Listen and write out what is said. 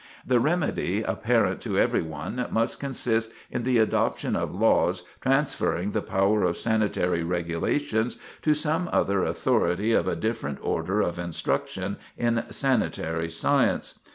"The remedy, apparent to every one, must consist in the adoption of laws transferring the power of sanitary regulations to some other authority of a different order of instruction in sanitary science."